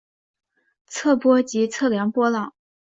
测波即测量波浪。